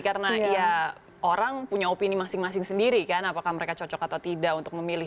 karena ya orang punya opini masing masing sendiri kan apakah mereka cocok atau tidak untuk memilih